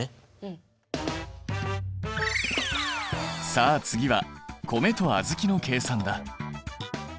さあ次は米と小豆の計算だ！